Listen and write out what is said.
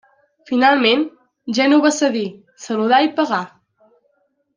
Finalment, Gènova cedí, saludà i pagà.